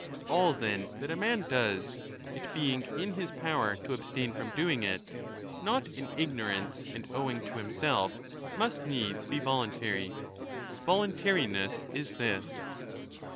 All, then, that a man does — it being in his power to abstain from doing it — not in ignorance and owing to himself must needs be voluntary ; voluntariness is this.